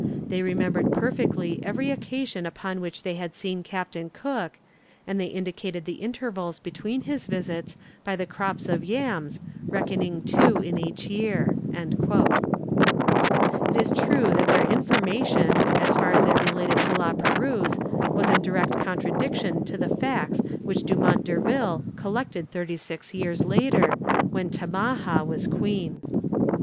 They remembered perfectly every occasion upon which they had seen Captain Cook, and they indicated the intervals between his visits by the crops of yams, reckoning two in each year." It is true that their information, as far as it related to La Perouse, was in direct contradiction to the facts which Dumont Durville collected thirty six years later, when Tamaha was queen.